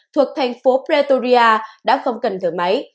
thuộc thành phố pretoria đã không cần thử máy